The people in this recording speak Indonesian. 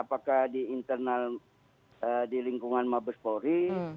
apakah di internal di lingkungan mabes polri